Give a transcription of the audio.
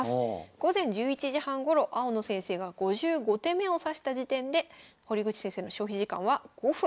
午前１１時半ごろ青野先生が５５手目を指した時点で堀口先生の消費時間は５分。